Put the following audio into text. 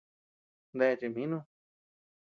¿Dae chimjinud?